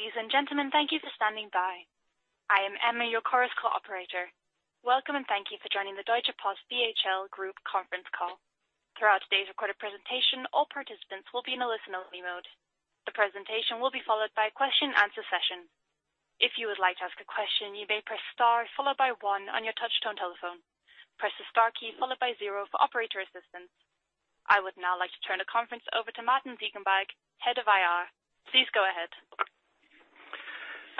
Ladies and gentlemen, thank you for standing by. I am Emma, your Chorus Call operator. Welcome, and thank you for joining the Deutsche Post DHL Group conference call. Throughout today's recorded presentation, all participants will be in a listen-only mode. The presentation will be followed by a question and answer session. If you would like to ask a question, you may press star followed by one on your touch-tone telephone. Press the star key followed by zero for operator assistance. I would now like to turn the conference over to Martin Ziegenbalg, Head of IR. Please go ahead.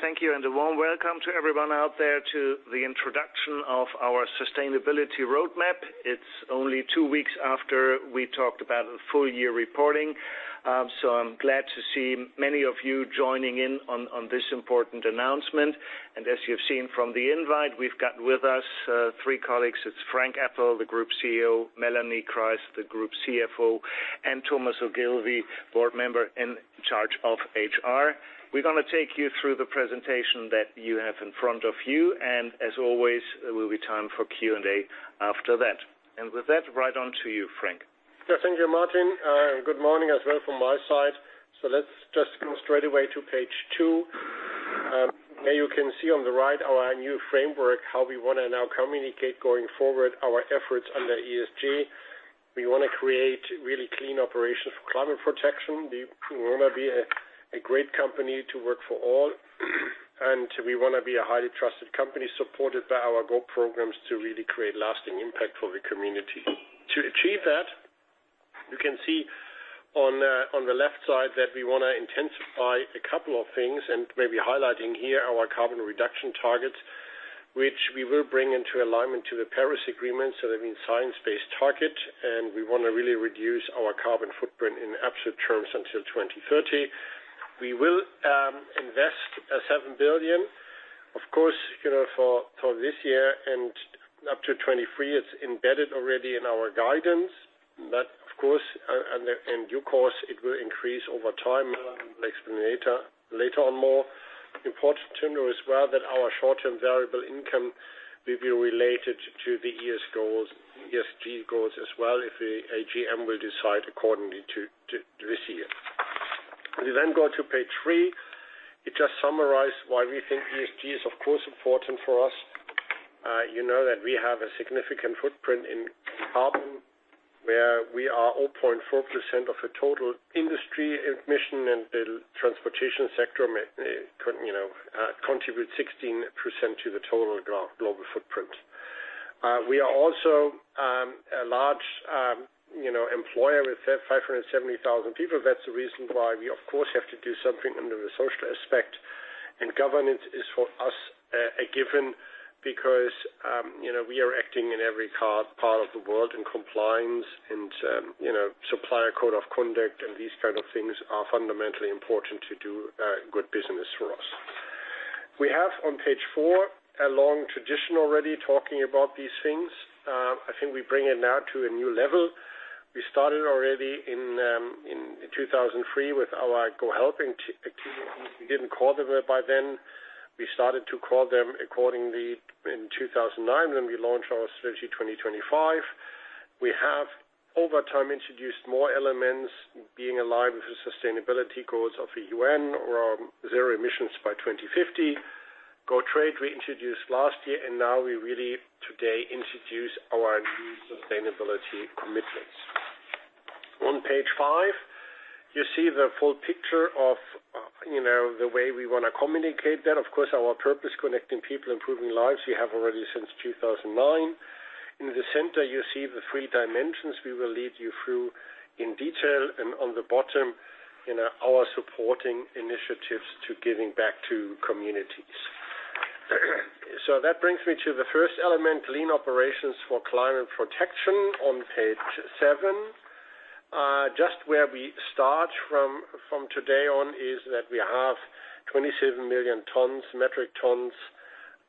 Thank you, and a warm welcome to everyone out there to the introduction of our sustainability roadmap. It's only two weeks after we talked about the full-year reporting. I'm glad to see many of you joining in on this important announcement. As you've seen from the invite, we've got with us three colleagues. It's Frank Appel, the Group CEO, Melanie Kreis, the Group CFO, and Thomas Ogilvie, board member in charge of HR. We're going to take you through the presentation that you have in front of you. As always, there will be time for Q&A after that. With that, right on to you, Frank. Yes. Thank you, Martin. Good morning as well from my side. Let's just go straight away to page two. There, you can see on the right our new framework, how we want to now communicate going forward our efforts under ESG. We want to create really clean operations for climate protection. We want to be a great company to work for all. We want to be a highly trusted company supported by our Go Programs to really create lasting impact for the community. To achieve that, you can see on the left side that we want to intensify a couple of things and maybe highlighting here our carbon reduction targets, which we will bring into alignment to the Paris Agreement, that means science-based target, and we want to really reduce our carbon footprint in absolute terms until 2030. We will invest 7 billion. Of course, for this year and up to 2023, it's embedded already in our guidance. Of course, in due course, it will increase over time. I'll explain later on more. Important to know as well that our short-term variable income will be related to the ESG goals as well, if the AGM will decide accordingly this year. We go to page three. It just summarizes why we think ESG is, of course, important for us. You know that we have a significant footprint in carbon, where we are 0.4% of the total industry emission and the transportation sector contribute 16% to the total global footprint. We are also a large employer with 570,000 people. That's the reason why we, of course, have to do something under the social aspect. Governance is for us a given because we are acting in every part of the world in compliance and supplier code of conduct and these kind of things are fundamentally important to do good business for us. We have on page four a long tradition already talking about these things. I think we bring it now to a new level. We started already in 2003 with our GoHelp. We didn't call them that by then. We started to call them accordingly in 2009 when we launched our strategy 2025. We have over time introduced more elements, being aligned with the sustainability goals of the UN around zero emissions by 2050. GoTrade we introduced last year. Now we really today introduce our new sustainability commitments. On page five, you see the full picture of the way we want to communicate that. Our purpose, connecting people, improving lives, we have already since 2009. In the center, you see the three dimensions we will lead you through in detail, on the bottom, our supporting initiatives to giving back to communities. That brings me to the first element, lean operations for climate protection on page seven. Just where we start from today on is that we have 27 million tons, metric tons,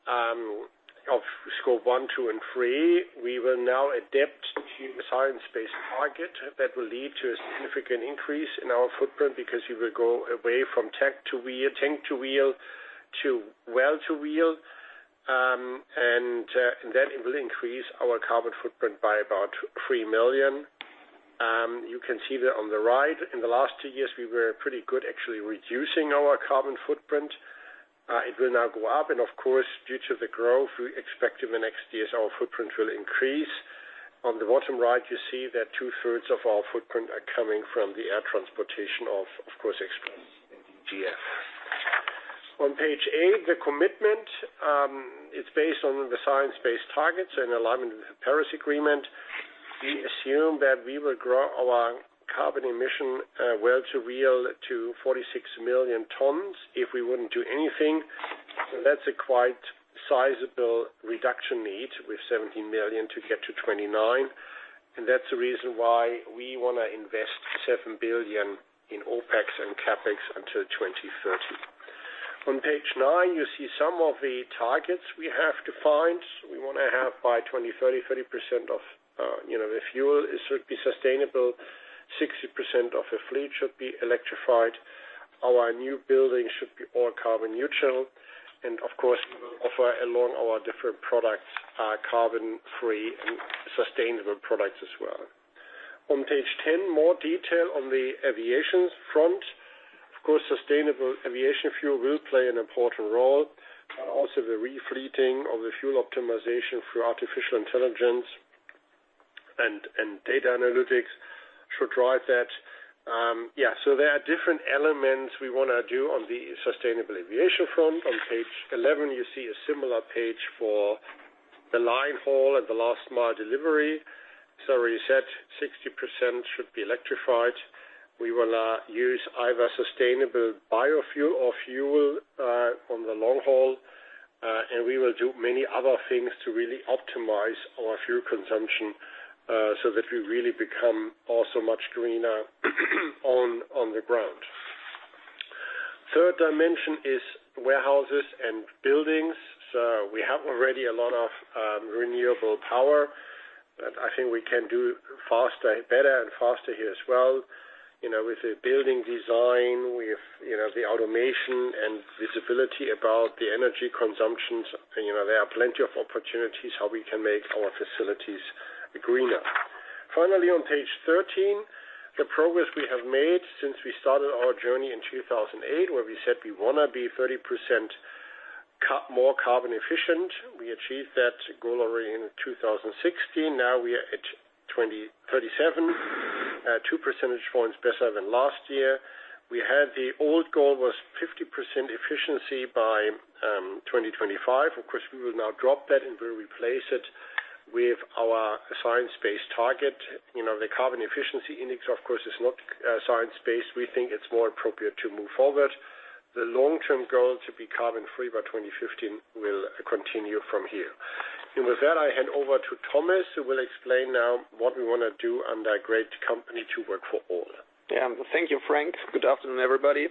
of Scope one, two, and three. We will now adapt to a science-based target that will lead to a significant increase in our footprint because you will go away from tank-to-wheel to well-to-wheel, it will increase our carbon footprint by about 3 million. You can see that on the right. In the last two years, we were pretty good actually reducing our carbon footprint. It will now go up. Of course, due to the growth we expect in the next years, our footprint will increase. On the bottom right, you see that two-thirds of our footprint are coming from the air transportation of course, Express and DGF. On page eight, the commitment. It's based on the science-based targets in alignment with the Paris Agreement. We assume that we will grow our carbon emission well-to-wheel to 46 million tons if we wouldn't do anything. That's a quite sizable reduction need with 17 million to get to 29. That's the reason why we want to invest 7 billion in OpEx and CapEx until 2030. On page nine, you see some of the targets we have defined. We want to have by 2030, 30% of the fuel should be sustainable, 60% of the fleet should be electrified. Our new buildings should be all carbon neutral. Of course, we will offer along our different products, carbon-free and sustainable products as well. On page 10, more detail on the aviation front. Of course, Sustainable Aviation Fuel will play an important role. The refleeting of the fuel optimization through artificial intelligence and data analytics should drive that. There are different elements we want to do on the sustainable aviation front. On page 11, you see a similar page for the line haul and the last mile delivery. As I already said, 60% should be electrified. We will use either sustainable biofuel or fuel on the long haul, and we will do many other things to really optimize our fuel consumption so that we really become also much greener on the ground. Third dimension is warehouses and buildings. We have already a lot of renewable power that I think we can do better and faster here as well. With the building design, with the automation and visibility about the energy consumptions, there are plenty of opportunities how we can make our facilities greener. Finally, on page 13, the progress we have made since we started our journey in 2008, where we said we want to be 30% more carbon efficient. We achieved that goal already in 2016. Now we are at 37, two percentage points better than last year. The old goal was 50% efficiency by 2025. Of course, we will now drop that and we'll replace it with our science-based target. The Carbon Efficiency Index, of course, is not science-based. We think it's more appropriate to move forward. The long-term goal to be carbon free by 2050 will continue from here. With that, I hand over to Thomas, who will explain now what we want to do under a great company to work for all. Thank you, Frank. Good afternoon, everybody.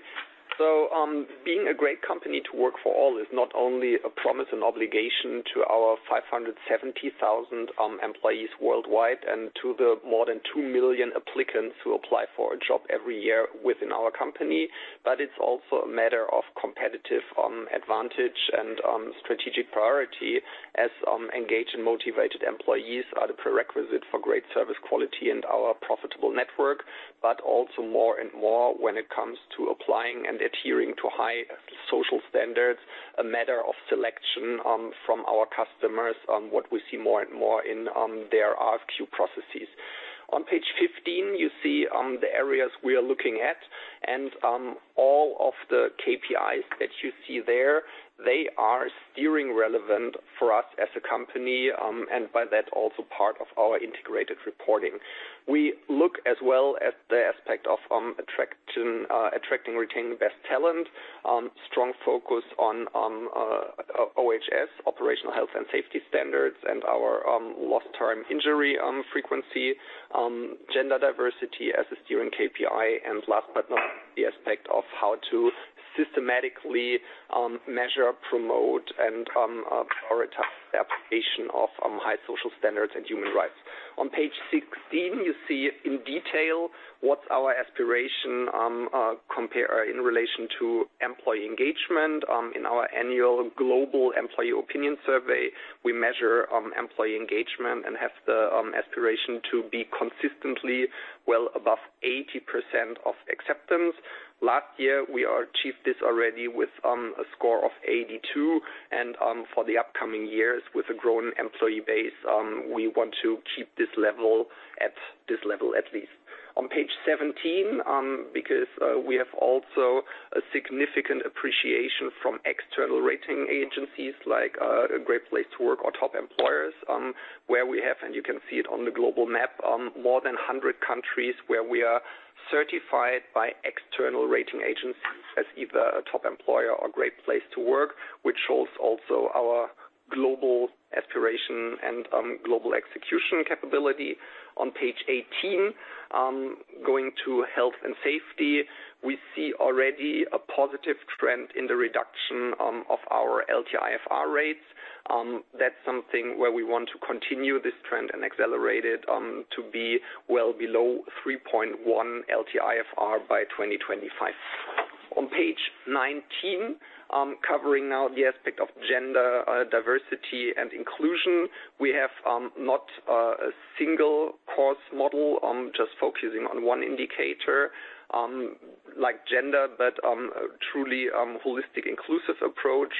Being a great company to work for all is not only a promise and obligation to our 570,000 employees worldwide and to the more than 2 million applicants who apply for a job every year within our company. It's also a matter of competitive advantage and strategic priority as engaged and motivated employees are the prerequisite for great service quality and our profitable network. Also more and more when it comes to applying and adhering to high social standards, a matter of selection from our customers on what we see more and more in their RFQ processes. On page 15, you see the areas we are looking at and all of the KPIs that you see there, they are steering relevant for us as a company, and by that, also part of our integrated reporting. We look as well at the aspect of attracting, retaining best talent, strong focus on OHS, operational health and safety standards, and our lost time injury frequency, gender diversity as a steering KPI, and last but not least, the aspect of how to systematically measure, promote, and prioritize the application of high social standards and human rights. On page 16, you see in detail what's our aspiration in relation to employee engagement. In our annual global employee opinion survey, we measure employee engagement and have the aspiration to be consistently well above 80% of acceptance. Last year, we achieved this already with a score of 82. For the upcoming years, with a growing employee base, we want to keep this level at least. On page 17, because we have also a significant appreciation from external rating agencies like a Great Place to Work or Top Employers, where we have, and you can see it on the global map, more than 100 countries where we are certified by external rating agencies as either a Top Employer or Great Place to Work, which shows also our global aspiration and global execution capability. On page 18, going to health and safety, we see already a positive trend in the reduction of our LTIFR rates. That's something where we want to continue this trend and accelerate it to be well below 3.1 LTIFR by 2025. On page 19, covering now the aspect of gender diversity and inclusion, we have not a single course model, just focusing on one indicator like gender, but truly holistic, inclusive approach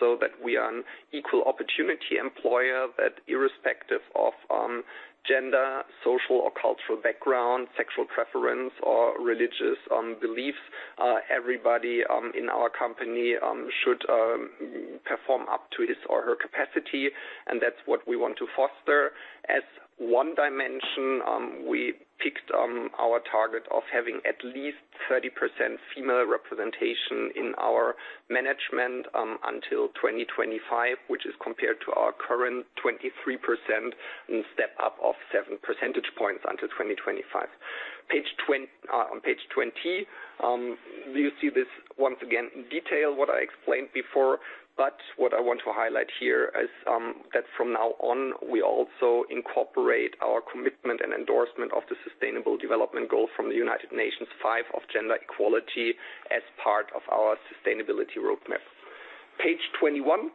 so that we are an equal opportunity employer that irrespective of gender, social or cultural background, sexual preference, or religious beliefs, everybody in our company should perform up to his or her capacity, and that's what we want to foster. As one dimension, we picked our target of having at least 30% female representation in our management until 2025, which is compared to our current 23%, a step up of seven percentage points until 2025. On page 20, you see this once again in detail what I explained before, but what I want to highlight here is that from now on, we also incorporate our commitment and endorsement of the Sustainable Development Goal from the United Nations Five of gender equality as part of our sustainability roadmap. Page 21.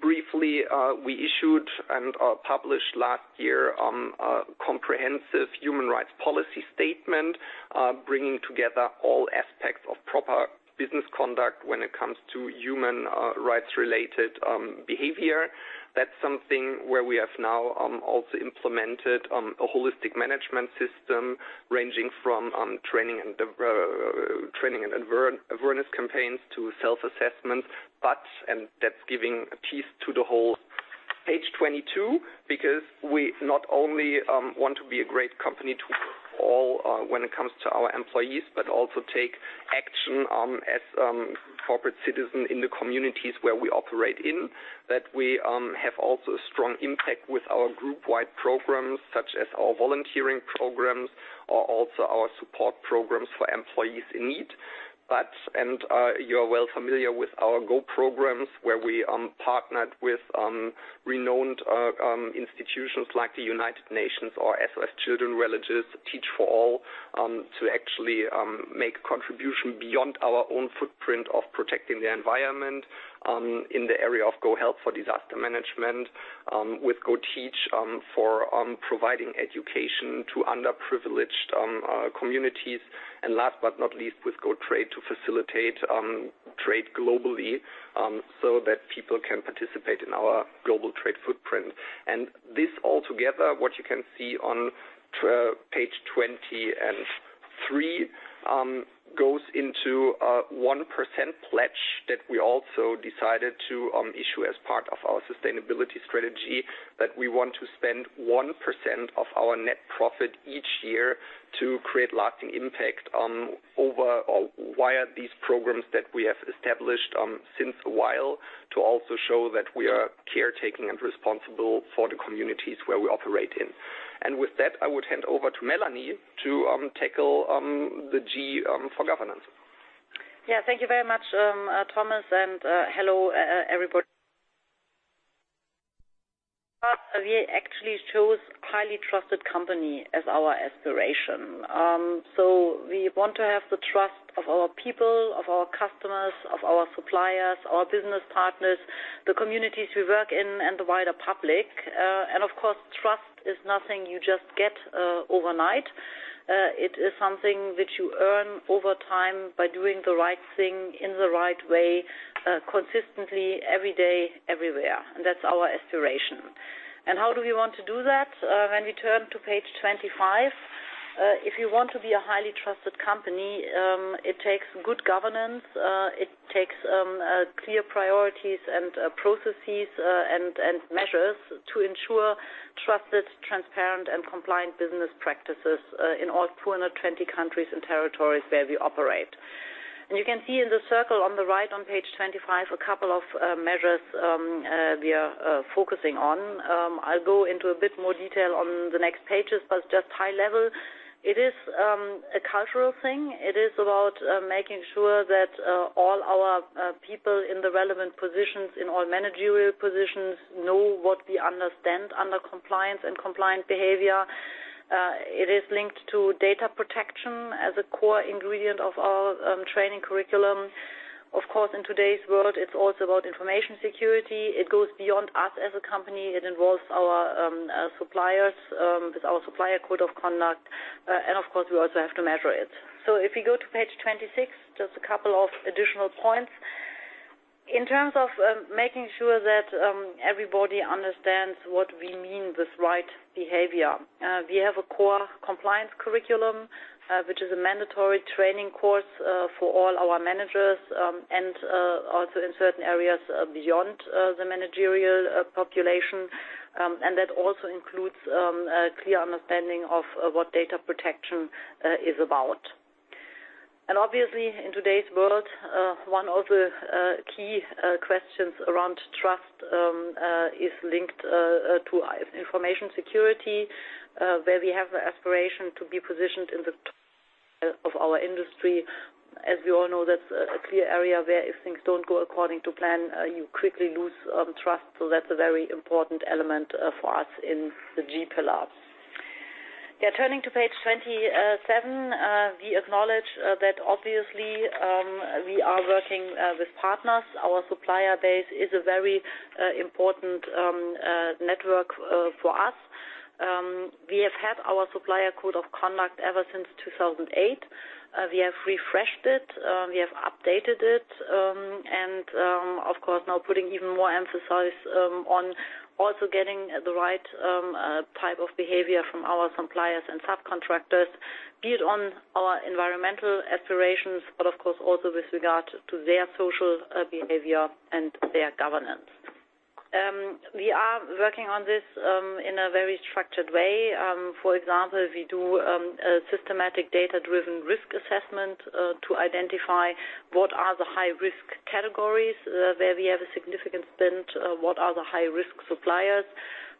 Briefly, we issued and published last year a comprehensive human rights policy statement, bringing together all aspects of proper business conduct when it comes to human rights-related behavior. That's something where we have now also implemented a holistic management system, ranging from training and awareness campaigns to self-assessment. That's giving a piece to the whole. Page 22, because we not only want to be a great company to all when it comes to our employees, but also take action as corporate citizen in the communities where we operate in, that we have also strong impact with our group-wide programs, such as our volunteering programs, or also our support programs for employees in need. You're well familiar with our Go Programs, where we partnered with renowned institutions like the United Nations or SOS Children's Villages, Teach For All, to actually make a contribution beyond our own footprint of protecting the environment in the area of GoHelp for disaster management, with GoTeach for providing education to underprivileged communities, and last but not least, with GoTrade to facilitate trade globally so that people can participate in our global trade footprint. This all together, what you can see on page 23, goes into a 1% pledge that we also decided to issue as part of our sustainability strategy, that we want to spend 1% of our net profit each year to create lasting impact via these programs that we have established since a while, to also show that we are caretaking and responsible for the communities where we operate in. With that, I would hand over to Melanie to tackle the G for governance. Yeah. Thank you very much, Thomas. Hello, everybody. We actually chose highly trusted company as our aspiration. We want to have the trust of our people, of our customers, of our suppliers, our business partners, the communities we work in, and the wider public. Of course, trust is nothing you just get overnight. It is something that you earn over time by doing the right thing in the right way, consistently, every day, everywhere. That's our aspiration. How do we want to do that? When we turn to page 25, if you want to be a highly trusted company, it takes good governance. It takes clear priorities and processes and measures to ensure trusted, transparent, and compliant business practices in all 220 countries and territories where we operate. You can see in the circle on the right on page 25 a couple of measures we are focusing on. I'll go into a bit more detail on the next pages, but just high level. It is a cultural thing. It is about making sure that all our people in the relevant positions, in all managerial positions, know what we understand under compliance and compliant behavior. It is linked to data protection as a core ingredient of our training curriculum. Of course, in today's world, it's also about information security. It goes beyond us as a company. It involves our suppliers with our supplier code of conduct. Of course, we also have to measure it. If you go to page 26, just a couple of additional points. In terms of making sure that everybody understands what we mean with right behavior, we have a core compliance curriculum, which is a mandatory training course for all our managers, and also in certain areas beyond the managerial population. That also includes a clear understanding of what data protection is about. Obviously, in today's world, one of the key questions around trust is linked to information security, where we have the aspiration to be positioned in the of our industry. As we all know, that's a clear area where if things don't go according to plan, you quickly lose trust. That's a very important element for us in the G pillar. Turning to page 27, we acknowledge that obviously, we are working with partners. Our supplier base is a very important network for us. We have had our supplier code of conduct ever since 2008. We have refreshed it. We have updated it, and of course, now putting even more emphasis on also getting the right type of behavior from our suppliers and subcontractors, be it on our environmental aspirations, but of course also with regard to their social behavior and their governance. We are working on this in a very structured way. For example, we do a systematic data-driven risk assessment to identify what are the high-risk categories, where we have a significant spend, what are the high-risk suppliers.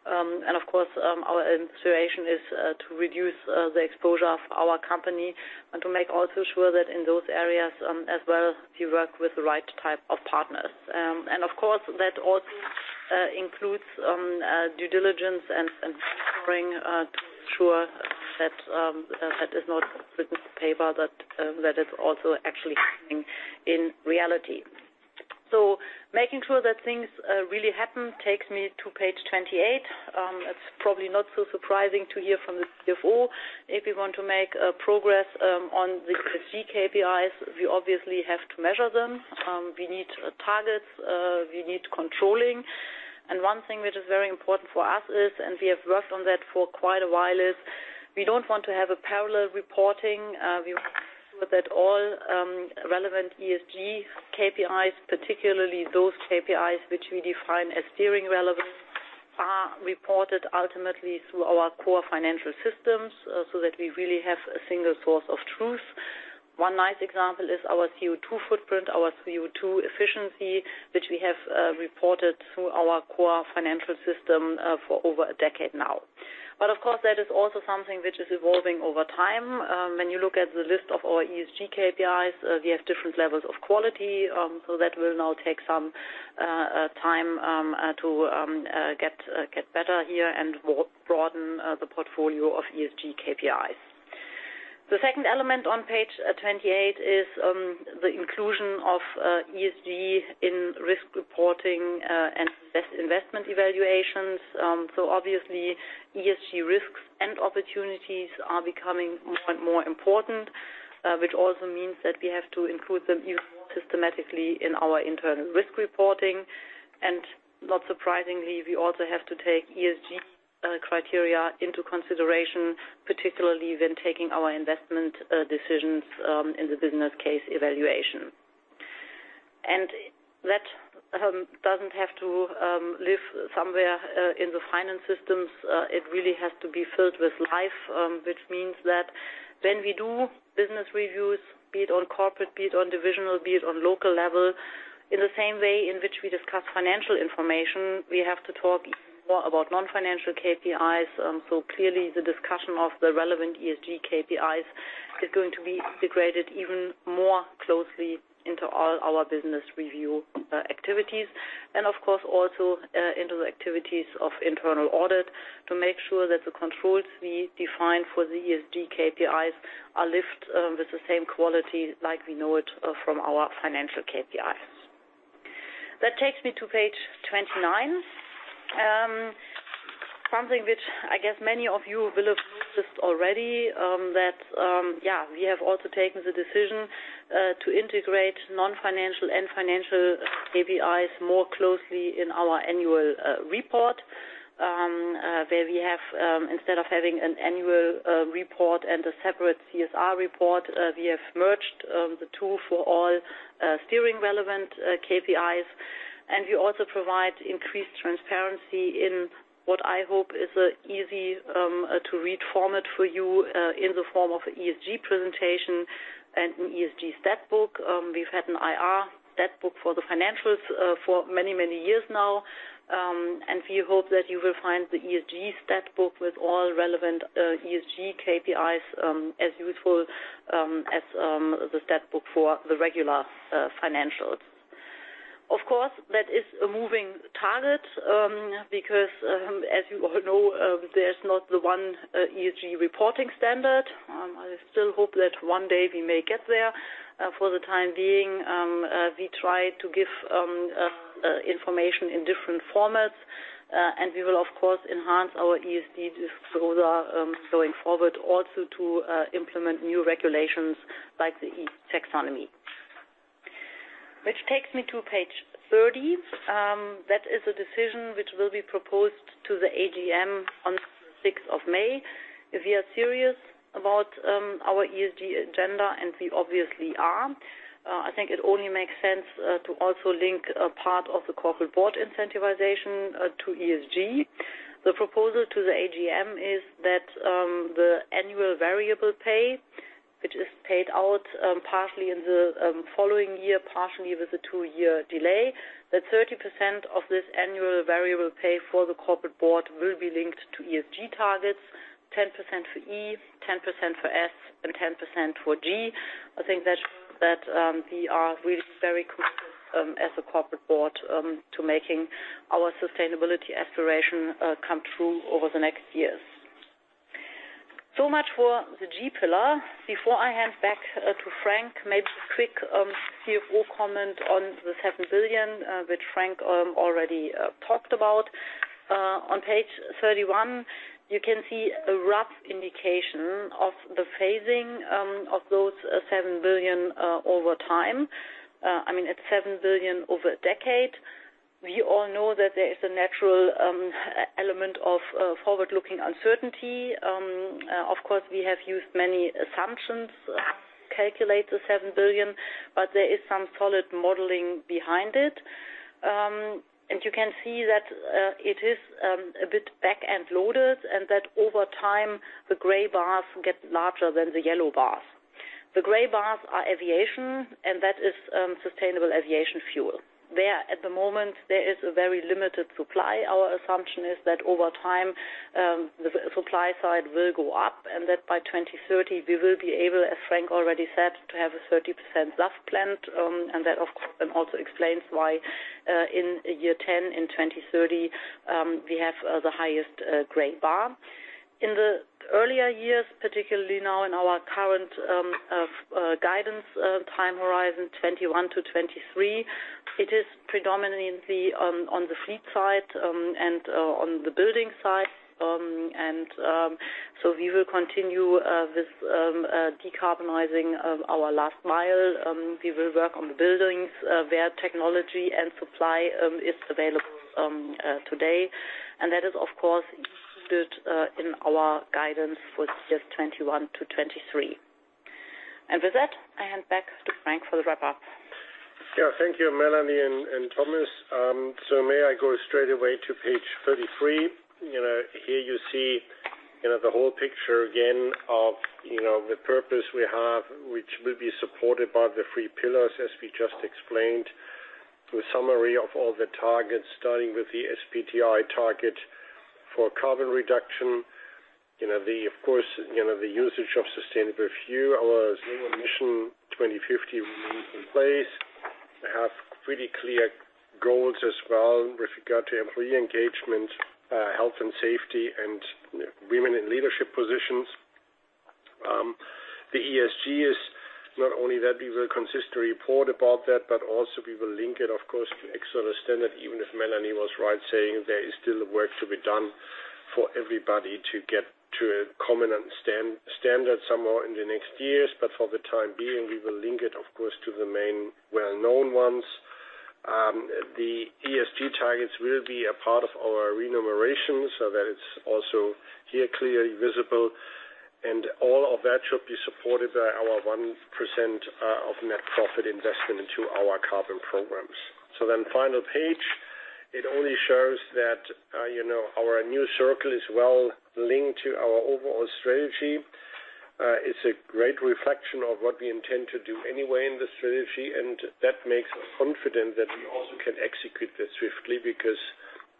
Of course, our aspiration is to reduce the exposure of our company and to make also sure that in those areas as well, we work with the right type of partners. Of course, that also includes due diligence and ensuring that that is not business paper, that is also actually happening in reality. Making sure that things really happen takes me to page 28. It's probably not so surprising to hear from the CFO. If we want to make progress on the ESG KPIs, we obviously have to measure them. We need targets, we need controlling. One thing which is very important for us, and we have worked on that for quite a while, is we don't want to have a parallel reporting. We want that all relevant ESG KPIs, particularly those KPIs which we define as steering relevant, are reported ultimately through our core financial systems so that we really have a single source of truth. One nice example is our CO₂ footprint, our CO₂ efficiency, which we have reported through our core financial system for over a decade now. Of course, that is also something which is evolving over time. When you look at the list of our ESG KPIs, we have different levels of quality. That will now take some time to get better here and broaden the portfolio of ESG KPIs. The second element on page 28 is the inclusion of ESG in risk reporting and investment evaluations. Obviously, ESG risks and opportunities are becoming more and more important, which also means that we have to include them even more systematically in our internal risk reporting. Not surprisingly, we also have to take ESG criteria into consideration, particularly when taking our investment decisions in the business case evaluation. That doesn't have to live somewhere in the finance systems. It really has to be filled with life, which means that when we do business reviews, be it on corporate, be it on divisional, be it on local level, in the same way in which we discuss financial information, we have to talk even more about non-financial KPIs. Clearly the discussion of the relevant ESG KPIs is going to be integrated even more closely into all our business review activities. Of course, also into the activities of internal audit to make sure that the controls we define for the ESG KPIs are lived with the same quality like we know it from our financial KPIs. That takes me to page 29. Something which I guess many of you will have noticed already, that we have also taken the decision to integrate non-financial and financial KPIs more closely in our annual report, where we have instead of having an annual report and a separate CSR report, we have merged the two for all steering relevant KPIs. We also provide increased transparency in what I hope is an easy-to-read format for you in the form of ESG presentation and an ESG stat book. We've had an IR stat book for the financials for many, many years now. We hope that you will find the ESG stat book with all relevant ESG KPIs as useful as the stat book for the regular financials. Of course, that is a moving target, because as you all know, there's not the one ESG reporting standard. I still hope that one day we may get there. For the time being, we try to give information in different formats, and we will, of course, enhance our ESG disclosure going forward also to implement new regulations like the EU taxonomy. Which takes me to page 30. That is a decision which will be proposed to the AGM on the 6th of May. We obviously are, I think it only makes sense to also link a part of the corporate board incentivization to ESG. The proposal to the AGM is that the annual variable pay, which is paid out partially in the following year, partially with a two-year delay, that 30% of this annual variable pay for the corporate board will be linked to ESG targets, 10% for E, 10% for S, and 10% for G. I think that shows that we are really very committed as a corporate board to making our sustainability aspiration come true over the next years. Much for the G pillar. Before I hand back to Frank, maybe a quick CFO comment on the 7 billion, which Frank already talked about. On page 31, you can see a rough indication of the phasing of those 7 billion over time. I mean, it's 7 billion over a decade. We all know that there is a natural element of forward-looking uncertainty. Of course, we have used many assumptions to calculate the 7 billion, but there is some solid modeling behind it. You can see that it is a bit back-end loaded and that over time, the gray bars get larger than the yellow bars. The gray bars are aviation, and that is sustainable aviation fuel. There, at the moment, there is a very limited supply. Our assumption is that over time, the supply side will go up, and that by 2030, we will be able, as Frank already said, to have a 30% SAF plant, and that of course then also explains why in year 10, in 2030, we have the highest gray bar. In the earlier years, particularly now in our current guidance time horizon 2021 to 2023, it is predominantly on the fleet side and on the building side. We will continue this decarbonizing of our last mile. We will work on the buildings where technology and supply is available today, and that is, of course, included in our guidance for just 2021 to 2023. With that, I hand back to Frank for the wrap-up. Thank you, Melanie and Thomas. May I go straight away to page 33? Here you see the whole picture again of the purpose we have, which will be supported by the three pillars, as we just explained. The summary of all the targets, starting with the SBTi target for carbon reduction. Of course, the usage of sustainable fuel, our zero-emission 2050 remains in place. We have pretty clear goals as well with regard to employee engagement, health and safety, and women in leadership positions. The ESG is not only that we will consist a report about that, but also we will link it, of course, to external standard, even if Melanie was right saying there is still work to be done for everybody to get to a common standard somewhere in the next years. For the time being, we will link it, of course, to the main well-known ones. The ESG targets will be a part of our remuneration so that it's also here clearly visible. All of that should be supported by our 1% of net profit investment into our carbon programs. Final page, it only shows that our new circle is well linked to our overall strategy. It's a great reflection of what we intend to do anyway in the strategy. That makes us confident that we also can execute this swiftly because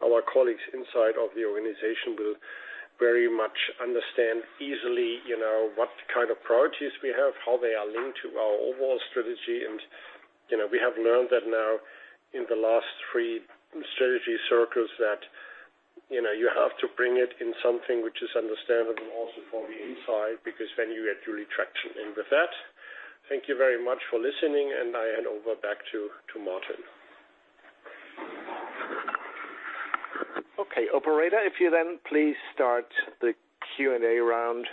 our colleagues inside of the organization will very much understand easily what kind of priorities we have, how they are linked to our overall strategy. We have learned that now in the last three strategy circles that you have to bring it in something which is understandable also from the inside, because then you get your retraction. With that, thank you very much for listening, and I hand over back to Martin. Okay, operator, if you then please start the Q&A round.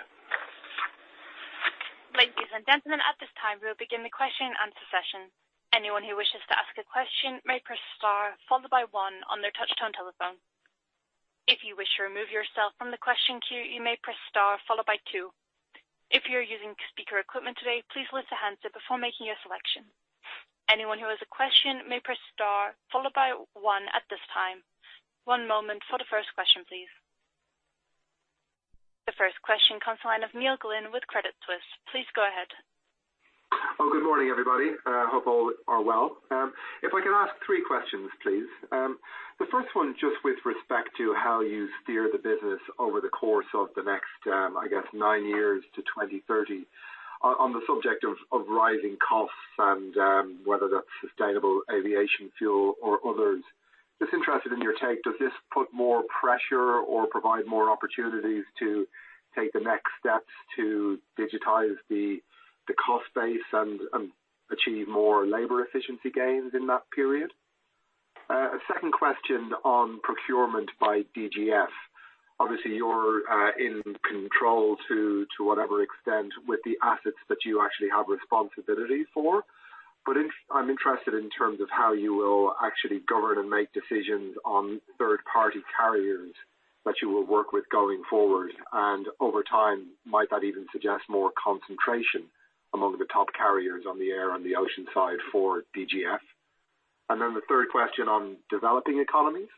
Ladies and gentlemen at this time we will begin our question and answer session. Anyone who wish to answer the question may press star followed by one on their touchtone telephone. If you wish to remove yourself from the question queue you may press star followed by two, if you are using the speaker equipment today please raise your hand before making a selection. Anyone who has a question may press star followed by one at this timeThe first question comes the line of Neil Glynn with Credit Suisse. Please go ahead. Good morning, everybody. I hope all are well. If I can ask three questions, please. The first one, just with respect to how you steer the business over the course of the next, I guess, nine years to 2030, on the subject of rising costs and whether that's Sustainable Aviation Fuel or others. I am just interested in your take, does this put more pressure or provide more opportunities to take the next steps to digitize the cost base and achieve more labor efficiency gains in that period? A second question on procurement by DGF. Obviously, you're in control to whatever extent with the assets that you actually have responsibility for, but I'm interested in terms of how you will actually govern and make decisions on third-party carriers that you will work with going forward. Over time, might that even suggest more concentration among the top carriers on the air and the ocean side for DGF? The third question on developing economies.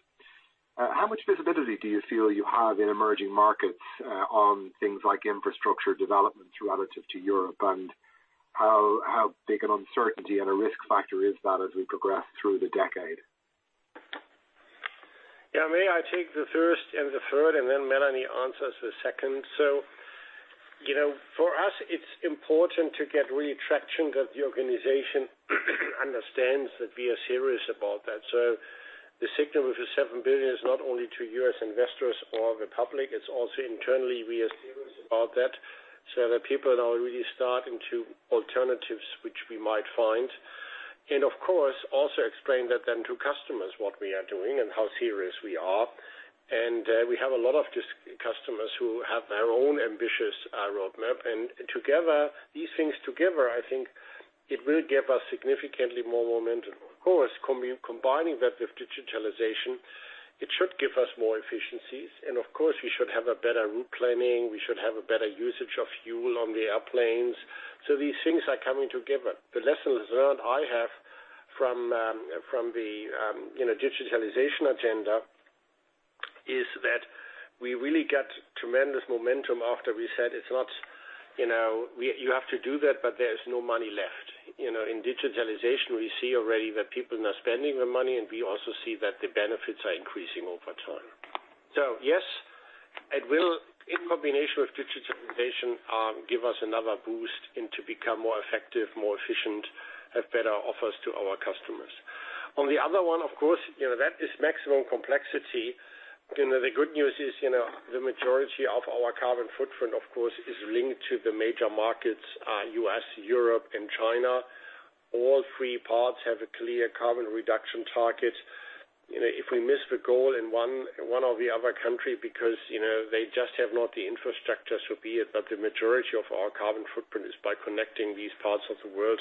How much visibility do you feel you have in emerging markets on things like infrastructure development relative to Europe? How big an uncertainty and a risk factor is that as we progress through the decade? Yeah. May I take the first and the third, and then Melanie answers the second? For us, it's important to get really traction that the organization understands that we are serious about that. The signal with the 7 billion is not only to you as investors or the public, it's also internally we are serious about that, so that people now really start into alternatives which we might find. Of course, also explain that then to customers what we are doing and how serious we are. We have a lot of customers who have their own ambitious roadmap. These things together, I think it will give us significantly more momentum. Of course, combining that with digitalization, it should give us more efficiencies. Of course, we should have a better route planning. We should have a better usage of fuel on the airplanes. These things are coming together. The lessons learned I have from the digitalization agenda is that we really got tremendous momentum after we said, "You have to do that, but there's no money left." In digitalization, we see already that people are now spending the money, and we also see that the benefits are increasing over time. Yes, it will, in combination with digitalization, give us another boost and to become more effective, more efficient, have better offers to our customers. On the other one, of course, that is maximum complexity. The good news is the majority of our carbon footprint, of course, is linked to the major markets, U.S., Europe, and China. All three parts have a clear carbon reduction target. If we miss the goal in one or the other country because they just have not the infrastructure to be it, but the majority of our carbon footprint is by connecting these parts of the world,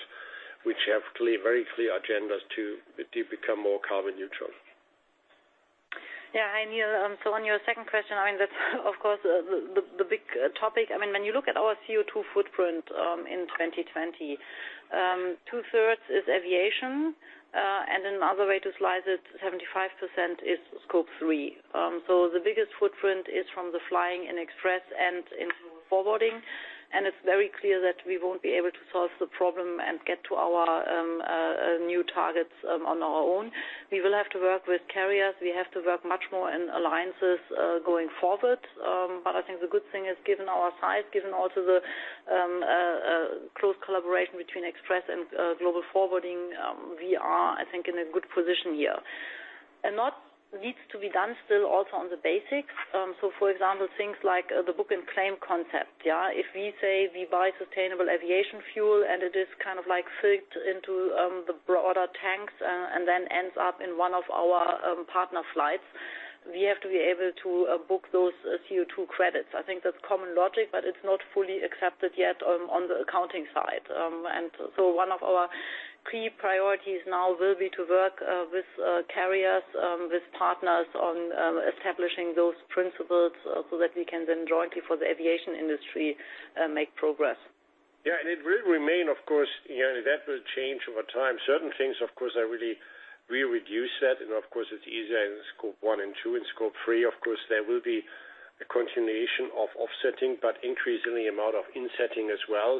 which have very clear agendas to become more carbon neutral. Yeah. Hi, Neil. On your second question, that's of course the big topic. When you look at our CO₂ footprint in 2020, two-thirds is aviation. Another way to slice it, 75% is Scope three. The biggest footprint is from the flying in Express and in Global Forwarding. It's very clear that we won't be able to solve the problem and get to our new targets on our own. We will have to work with carriers. We have to work much more in alliances going forward. I think the good thing is, given our size, given also the close collaboration between Express and Global Forwarding, we are, I think, in a good position here. A lot needs to be done still also on the basics. For example, things like the book and claim concept. If we say we buy sustainable aviation fuel and it is kind of filled into the broader tanks and then ends up in one of our partner flights, we have to be able to book those CO₂ credits. I think that's common logic, but it's not fully accepted yet on the accounting side. One of our key priorities now will be to work with carriers, with partners on establishing those principles so that we can then jointly for the aviation industry, make progress. Yeah. It will remain, of course, that will change over time. Certain things, of course, I really reduce that. Of course, it's easier in Scope one and two. In Scope three, of course, there will be a continuation of offsetting but increasingly amount of insetting as well.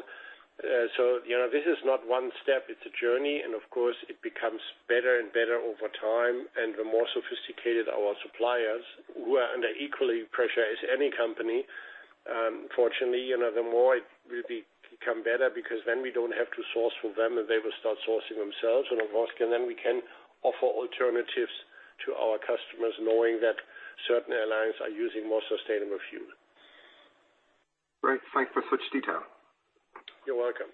This is not one step, it's a journey. Of course, it becomes better and better over time. The more sophisticated our suppliers, who are under equally pressure as any company, fortunately, the more it will become better because then we don't have to source from them and they will start sourcing themselves. Of course, then we can offer alternatives to our customers knowing that certain airlines are using more sustainable fuel. Great. Thank you for such detail. You're welcome.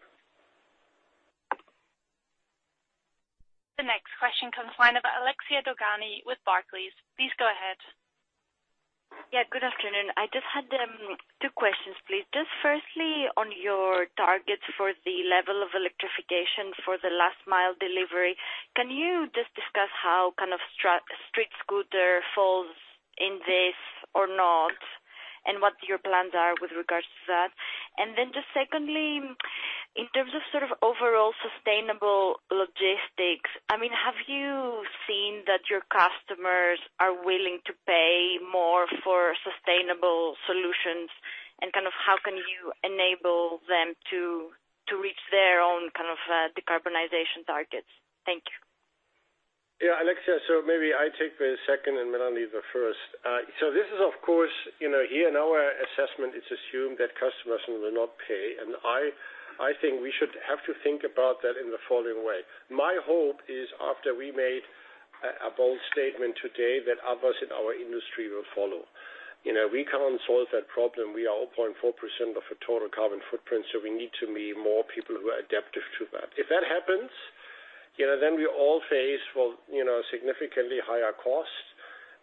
The next question comes from the line of Alexia Dogani with Barclays. Please go ahead. Yeah. Good afternoon. I just had two questions, please. Just firstly, on your targets for the level of electrification for the last-mile delivery, can you just discuss how kind of StreetScooter falls in this or not, and what your plans are with regards to that? Just secondly, in terms of sort of overall sustainable logistics, have you seen that your customers are willing to pay more for sustainable solutions? Kind of how can you enable them to reach their own kind of decarbonization targets? Thank you. Yeah. Alexia, so maybe I take the second and Melanie the first. This is, of course, here in our assessment, it's assumed that customers will not pay. I think we should have to think about that in the following way. My hope is after we made a bold statement today that others in our industry will follow. We can't solve that problem. We are 0.4% of the total carbon footprint, so we need to meet more people who are adaptive to that. If that happens, then we all face, well, significantly higher costs,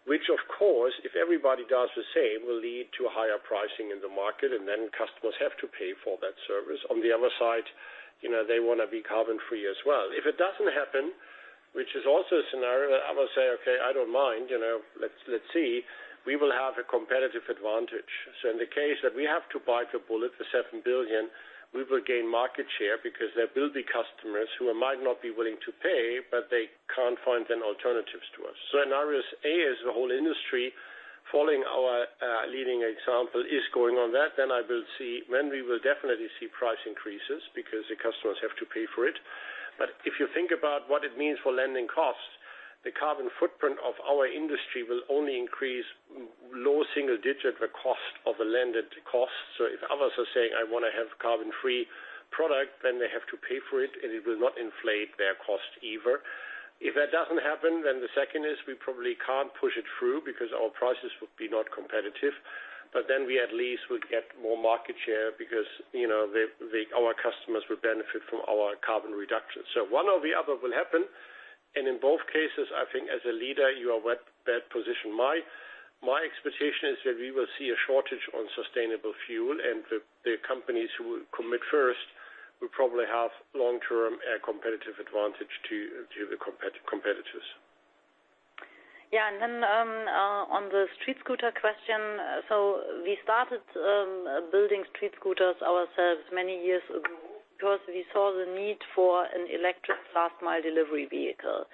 which of course, if everybody does the same, will lead to higher pricing in the market and then customers have to pay for that service. On the other side, they want to be carbon free as well. If it doesn't happen, which is also a scenario, I will say, "Okay, I don't mind. Let's see." We will have a competitive advantage. In the case that we have to bite the bullet for 7 billion, we will gain market share because there will be customers who might not be willing to pay, but they can't find then alternatives to us. Scenario A is the whole industry following our leading example is going on that, I will see when we will definitely see price increases because the customers have to pay for it. If you think about what it means for landed costs, the carbon footprint of our industry will only increase low single digit the cost of the landed cost. If others are saying, "I want to have carbon-free product," then they have to pay for it, and it will not inflate their cost either. If that doesn't happen, then the second is we probably can't push it through because our prices would be not competitive. We at least would get more market share because our customers would benefit from our carbon reduction. One or the other will happen. In both cases, I think as a leader, you are well positioned. My expectation is that we will see a shortage on sustainable fuel and the companies who commit first will probably have long-term competitive advantage to the competitors. On the StreetScooter question. We started building StreetScooters ourselves many years ago because we saw the need for an electric last-mile delivery vehicle.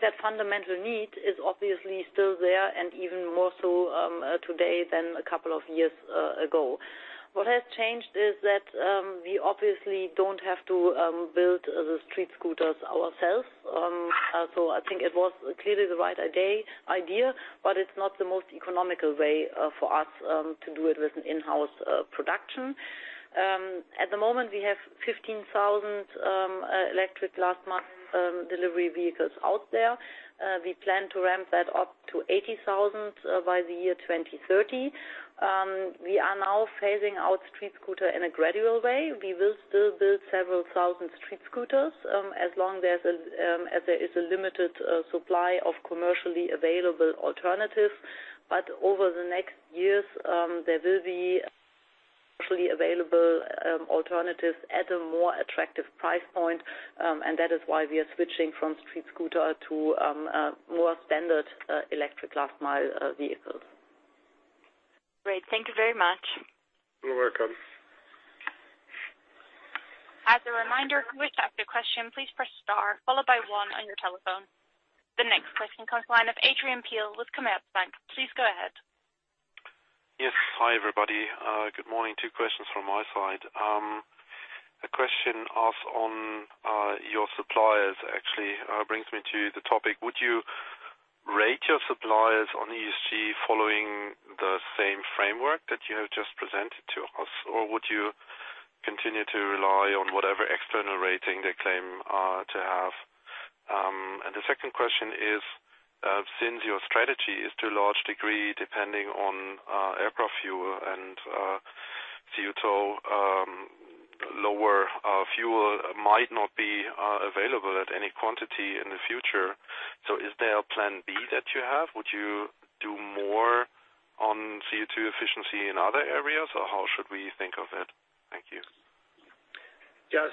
That fundamental need is obviously still there and even more so today than a couple of years ago. What has changed is that we obviously don't have to build the StreetScooters ourselves. I think it was clearly the right idea, but it's not the most economical way for us to do it with an in-house production. At the moment, we have 15,000 electric last-mile delivery vehicles out there. We plan to ramp that up to 80,000 by the year 2030. We are now phasing out StreetScooter in a gradual way. We will still build several thousand StreetScooters, as long as there is a limited supply of commercially available alternatives. Over the next years, there will be commercially available alternatives at a more attractive price point, and that is why we are switching from StreetScooter to more standard electric last-mile vehicles. Great. Thank you very much. You're welcome. As a reminder, if you wish to ask a question, please press star followed by one on your telephone. The next question comes from the line of Adrian Pehl with Commerzbank. Please go ahead. Yes. Hi, everybody. Good morning. Two questions from my side. A question asked on your suppliers actually brings me to the topic. Would you rate your suppliers on ESG following the same framework that you have just presented to us, or would you continue to rely on whatever external rating they claim to have? The second question is, since your strategy is to a large degree depending on aircraft fuel and fuel, too, lower fuel might not be available at any quantity in the future. Is there a plan B that you have? Would you do more on CO₂ efficiency in other areas, or how should we think of it? Thank you. Yes.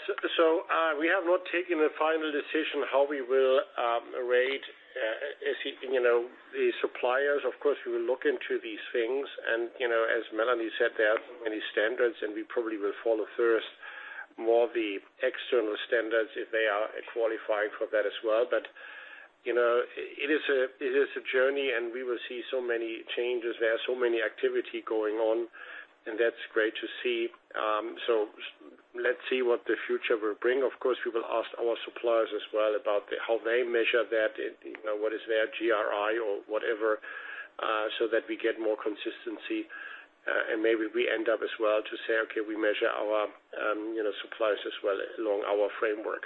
We have not taken the final decision how we will rate the suppliers. Of course, we will look into these things. As Melanie said, there are many standards, and we probably will follow first more the external standards if they are qualifying for that as well. It is a journey, and we will see so many changes. There are so many activities going on, and that's great to see. Let's see what the future will bring. Of course, we will ask our suppliers as well about how they measure that, what is their GRI or whatever, so that we get more consistency, and maybe we end up as well to say, okay, we measure our suppliers as well along our framework.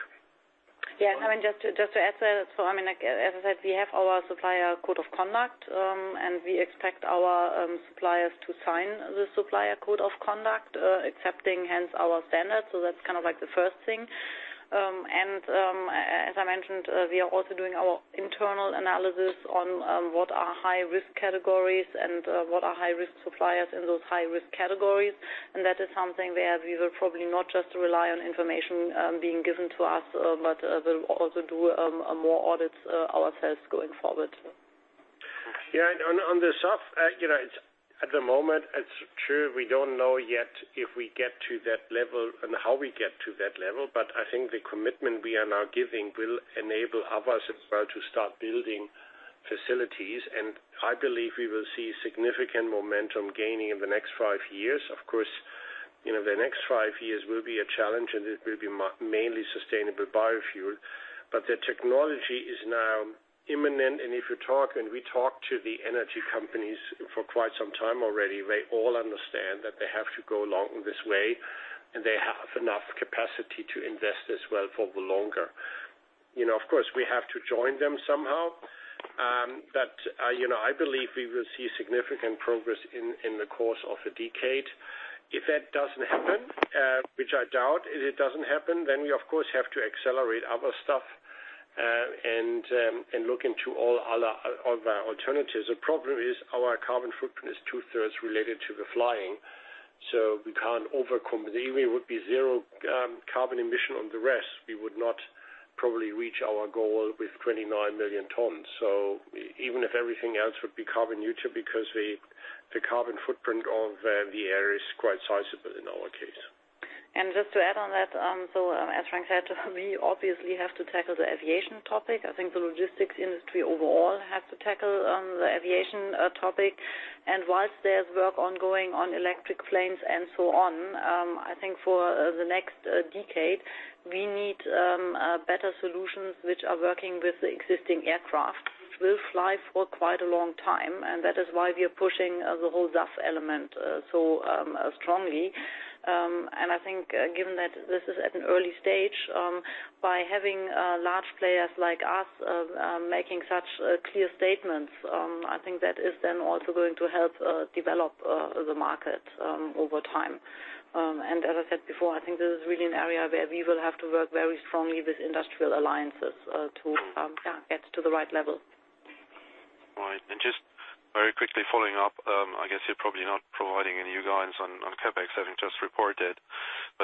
Yeah. Just to add to that, as I said, we have our supplier code of conduct, and we expect our suppliers to sign the supplier code of conduct, accepting, hence, our standards. That's the first thing. As I mentioned, we are also doing our internal analysis on what are high-risk categories and what are high-risk suppliers in those high-risk categories. That is something where we will probably not just rely on information being given to us, but we'll also do more audits ourselves going forward. Yeah. On the SAF, at the moment, it's true, we don't know yet if we get to that level and how we get to that level. I think the commitment we are now giving will enable others as well to start building facilities. I believe we will see significant momentum gaining in the next five years. Of course, the next five years will be a challenge, and it will be mainly sustainable biofuel, but the technology is now imminent. If you talk, and we talk to the energy companies for quite some time already, they all understand that they have to go along this way, and they have enough capacity to invest as well for the longer. Of course, we have to join them somehow. I believe we will see significant progress in the course of a decade. If that doesn't happen, which I doubt it doesn't happen, we, of course, have to accelerate other stuff and look into all other alternatives. The problem is our carbon footprint is two-thirds related to the flying, we can't overcome. Even if it would be zero carbon emission on the rest, we would not probably reach our goal with 29 million tons. Even if everything else would be carbon neutral, because the carbon footprint of the air is quite sizable in our case. Just to add on that, as Frank said, we obviously have to tackle the aviation topic. I think the logistics industry overall has to tackle the aviation topic. Whilst there's work ongoing on electric planes and so on, I think for the next decade, we need better solutions which are working with the existing aircraft, which will fly for quite a long time, and that is why we are pushing the whole SAF element so strongly. I think given that this is at an early stage, by having large players like us making such clear statements, I think that is also going to help develop the market over time. As I said before, I think this is really an area where we will have to work very strongly with industrial alliances to get to the right level. Right. Just very quickly following up, I guess you're probably not providing any guidance on CapEx having just reported.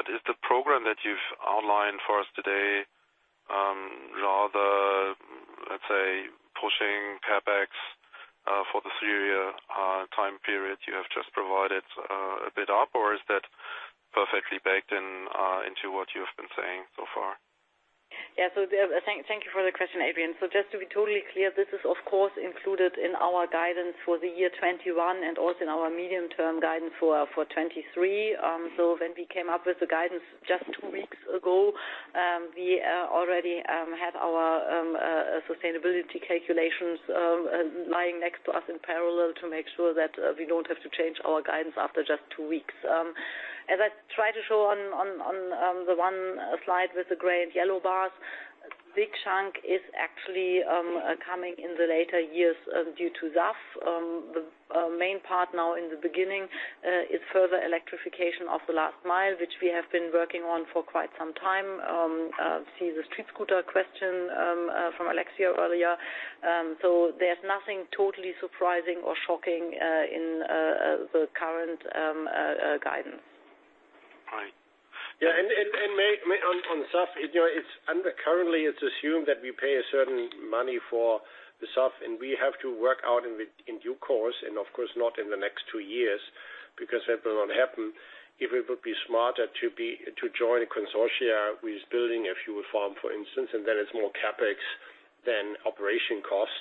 Is the program that you've outlined for us today rather, let's say, pushing CapEx for the three-year time period you have just provided a bit up, or is that perfectly baked into what you've been saying so far? Yeah. Thank you for the question, Adrian. Just to be totally clear, this is of course included in our guidance for the year 2021 and also in our medium-term guidance for 2023. When we came up with the guidance just two weeks ago, we already had our sustainability calculations lying next to us in parallel to make sure that we don't have to change our guidance after just two weeks. As I tried to show on the one slide with the gray and yellow bars. Big chunk is actually coming in the later years due to SAF. The main part now in the beginning is further electrification of the last mile, which we have been working on for quite some time. See the StreetScooter question from Alexia earlier. There's nothing totally surprising or shocking in the current guidance. Right. Yeah. On SAF, currently it's assumed that we pay a certain money for the SAF, we have to work out in due course, of course not in the next two years, because that will not happen, if it would be smarter to join a consortia with building a fuel farm, for instance, then it's more CapEx than operation cost.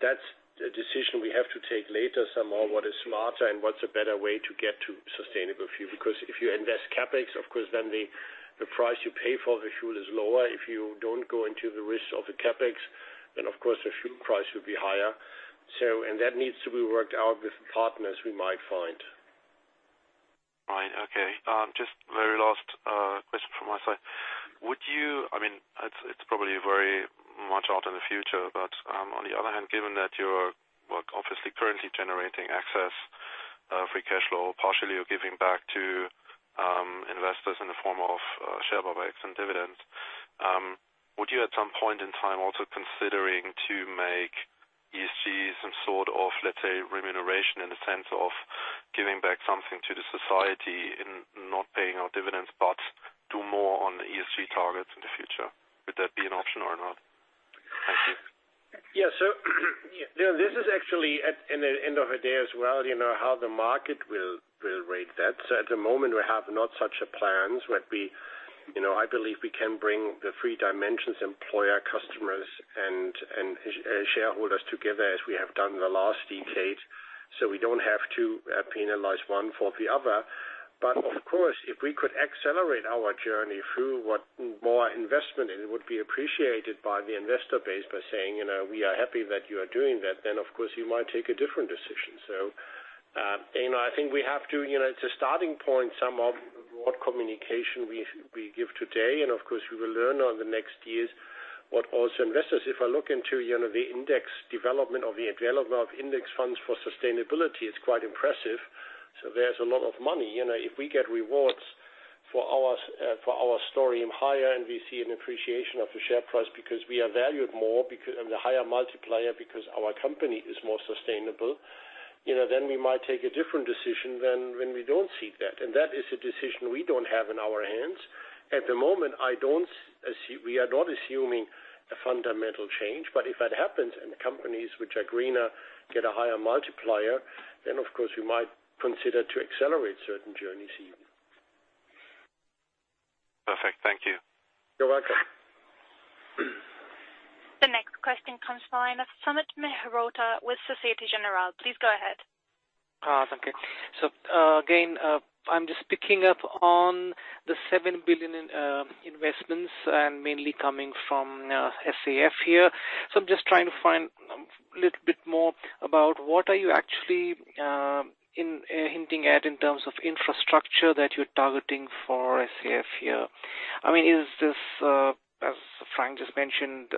That's a decision we have to take later, Samuel, what is smarter and what's a better way to get to sustainable fuel. If you invest CapEx, of course, then the price you pay for the fuel is lower. If you don't go into the risk of the CapEx, of course the fuel price will be higher. That needs to be worked out with partners we might find. Right. Okay. Just very last question from my side. It's probably very much out in the future, but, on the other hand, given that you're obviously currently generating excess free cash flow, partially you're giving back to investors in the form of share buybacks and dividends. Would you at some point in time also considering to make ESG some sort of, let's say, remuneration in the sense of giving back something to the society and not paying out dividends, but do more on the ESG targets in the future? Would that be an option or not? Thank you. Yeah. This is actually, at the end of the day as well, how the market will rate that. At the moment, we have not such plans, but I believe we can bring the three dimensions, employer, customers, and shareholders together as we have done in the last decade, so we don't have to penalize one for the other. Of course, if we could accelerate our journey through more investment and it would be appreciated by the investor base by saying, "We are happy that you are doing that," then of course you might take a different decision. I think it's a starting point, Somehow, what communication we give today. Of course we will learn on the next years what also investors, if I look into the index development or the development of index funds for sustainability, it's quite impressive. There's a lot of money. If we get rewards for our story and higher, and we see an appreciation of the share price because we are valued more and the higher multiplier because our company is more sustainable, then we might take a different decision than when we don't see that. That is a decision we don't have in our hands. At the moment, we are not assuming a fundamental change, but if that happens and the companies which are greener get a higher multiplier, then of course we might consider to accelerate certain journeys even. Perfect. Thank you. You're welcome. The next question comes the line of Sumit Mehrotra with Societe Generale. Please go ahead. Thank you. Again, I'm just picking up on the 7 billion in investments and mainly coming from SAF here. I'm just trying to find little bit more about what are you actually hinting at in terms of infrastructure that you're targeting for SAF here. Is this, as Frank just mentioned,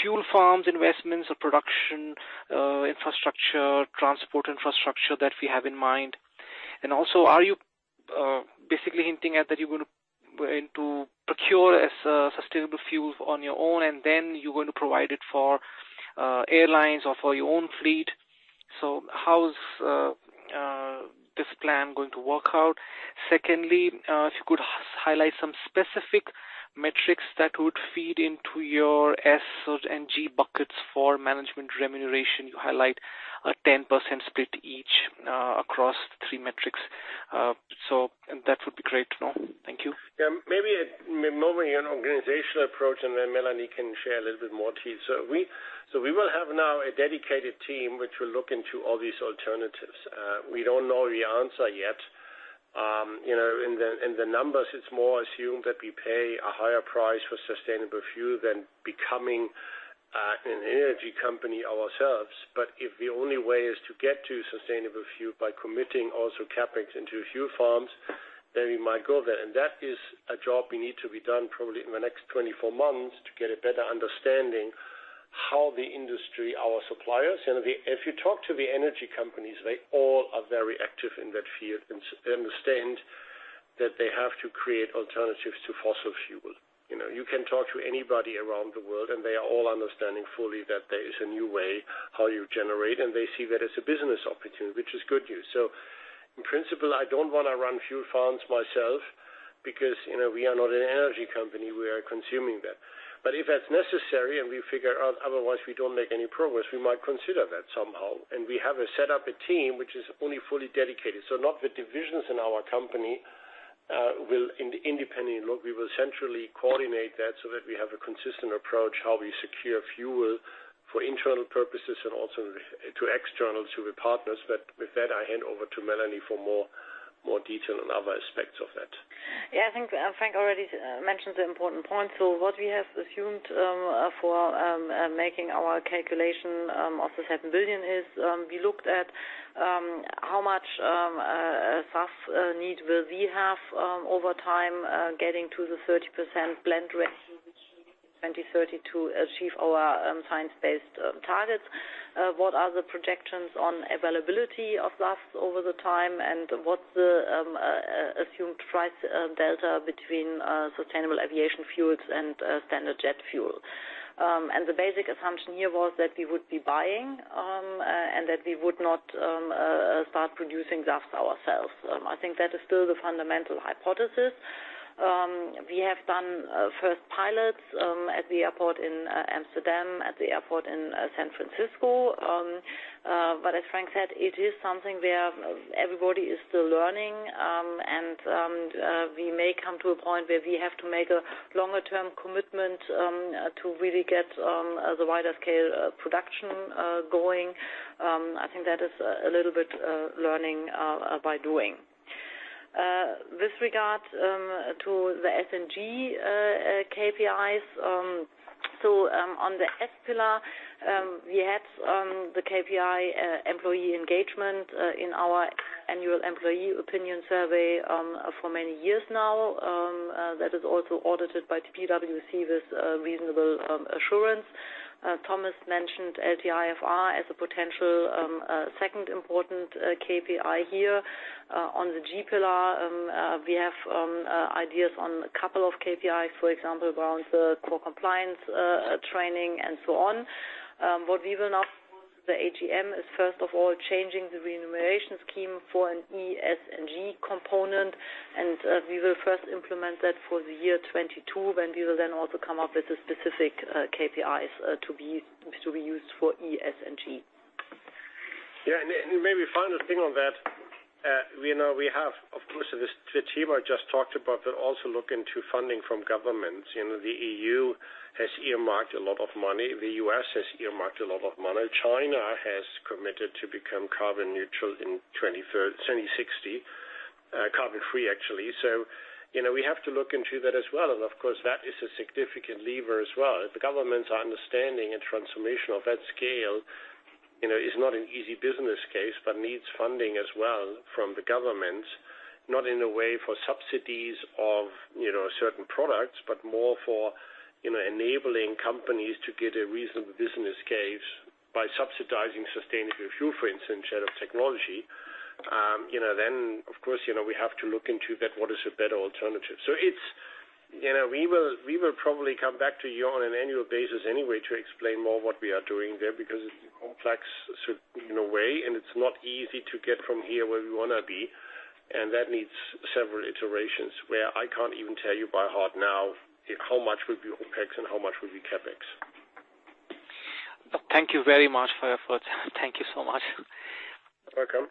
fuel farms investments or production infrastructure, transport infrastructure that we have in mind? Also, are you basically hinting at that you will going to procure a sustainable fuel on your own, and then you are going to provide it for airlines or for your own fleet? How's this plan going to work out? Secondly, if you could highlight some specific metrics that would feed into your S and G buckets for management remuneration. You highlight a 10% split each across three metrics. That would be great to know. Thank you. Yeah. Maybe moving an organizational approach, and then Melanie can share a little bit more detail. We will have now a dedicated team which will look into all these alternatives. We don't know the answer yet. In the numbers, it's more assumed that we pay a higher price for sustainable fuel than becoming an energy company ourselves. If the only way is to get to sustainable fuel by committing also CapEx into fuel farms, then we might go there. That is a job we need to be done probably in the next 24 months to get a better understanding how the industry, our suppliers, and if you talk to the energy companies, they all are very active in that field and understand that they have to create alternatives to fossil fuel. You can talk to anybody around the world, They are all understanding fully that there is a new way how you generate, They see that as a business opportunity, which is good news. In principle, I don't want to run fuel farms myself because we are not an energy company. We are consuming that. If that's necessary and we figure out otherwise, we don't make any progress, we might consider that somehow. We have set up a team which is only fully dedicated. Not the divisions in our company will independently look. We will centrally coordinate that so that we have a consistent approach how we secure fuel for internal purposes and also to external, to the partners. With that, I hand over to Melanie for more detail on other aspects of that. I think Frank already mentioned the important point. What we have assumed for making our calculation of the 7 billion is, we looked at how much SAF need will we have over time getting to the 30% blend ratio 2030 to achieve our science-based targets. What are the projections on availability of SAF over the time, what the assumed price delta between sustainable aviation fuels and standard jet fuel? The basic assumption here was that we would be buying, and that we would not start producing SAF ourselves. I think that is still the fundamental hypothesis. We have done first pilots at the airport in Amsterdam, at the airport in San Francisco. As Frank said, it is something where everybody is still learning, and we may come to a point where we have to make a longer-term commitment, to really get the wider-scale production going. I think that is a little bit learning by doing. With regard to the ESG KPIs, so, on the ESG pillar, we had the KPI employee engagement in our annual employee opinion survey for many years now. That is also audited by PwC with reasonable assurance. Thomas mentioned LTIFR as a potential second important KPI here. On the ESG pillar, we have ideas on a couple of KPIs, for example, around the core compliance training and so on. What we will now the AGM is first of all changing the remuneration scheme for an E, S, and G component. We will first implement that for the year 2022, when we will then also come up with the specific KPIs to be used for E, S, and G. Yeah, maybe final thing on that. We have, of course, the team I just talked about, but also look into funding from governments. The EU has earmarked a lot of money. The U.S. has earmarked a lot of money. China has committed to become carbon neutral in 2060, carbon free, actually. We have to look into that as well. Of course, that is a significant lever as well. If the governments are understanding a transformation of that scale, is not an easy business case, but needs funding as well from the governments. Not in a way for subsidies of certain products, but more for enabling companies to get a reasonable business case by subsidizing sustainable fuel, for instance, out of technology. Of course, we have to look into that, what is a better alternative. We will probably come back to you on an annual basis anyway to explain more what we are doing there, because it's complex in a way, and it's not easy to get from here where we want to be, and that needs several iterations, where I can't even tell you by heart now how much would be OpEx and how much would be CapEx. Thank you very much for your thoughts. Thank you so much. Welcome.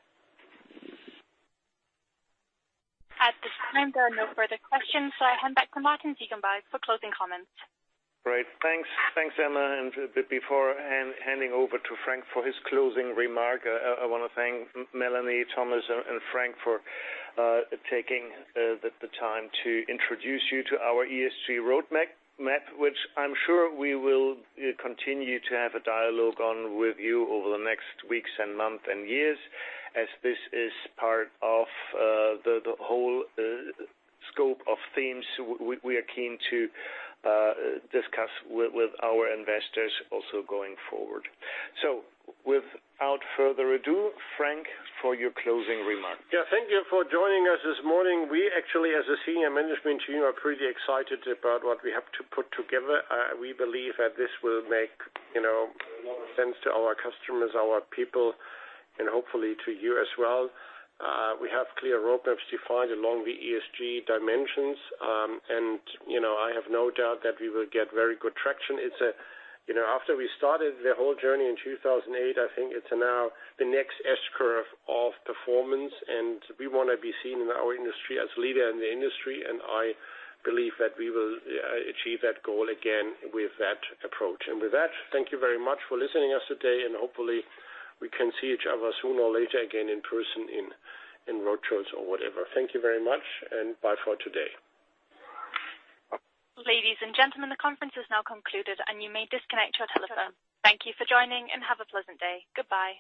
At this time, there are no further questions, so I hand back to Martin Ziegenbalg for closing comments. Great. Thanks, Emma, before handing over to Frank for his closing remark, I want to thank Melanie, Thomas, and Frank for taking the time to introduce you to our ESG roadmap, which I'm sure we will continue to have a dialogue on with you over the next weeks and months and years, as this is part of the whole scope of themes we are keen to discuss with our investors also going forward. Without further ado, Frank, for your closing remarks. Yeah, thank you for joining us this morning. We actually, as a senior management team, are pretty excited about what we have put together. We believe that this will make a lot of sense to our customers, our people, and hopefully to you as well. We have clear roadmaps defined along the ESG dimensions. I have no doubt that we will get very good traction. After we started the whole journey in 2008, I think it's now the next S-curve of performance, and we want to be seen in our industry as leader in the industry, and I believe that we will achieve that goal again with that approach. With that, thank you very much for listening to us today, and hopefully we can see each other sooner or later again in person in roadshows or whatever. Thank you very much, and bye for today. Ladies and gentlemen, the conference is now concluded and you may disconnect your telephone. Thank you for joining and have a pleasant day. Goodbye.